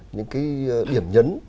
những cái điểm nhấn